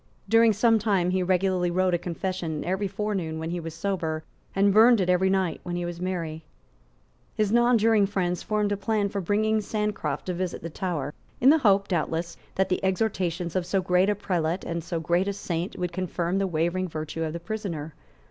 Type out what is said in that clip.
During some time he regularly wrote a confession every forenoon when he was sober, and burned it every night when he was merry. His nonjuring friends formed a plan for bringing Sancroft to visit the Tower, in the hope, doubtless, that the exhortations of so great a prelate and so great a saint would confirm the wavering virtue of the prisoner.